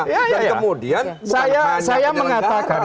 kemudian bukan hanya penjelajah saya mengatakan